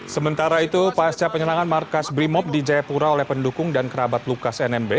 sementara itu pasca penyerangan markas brimob di jayapura oleh pendukung dan kerabat lukas nmb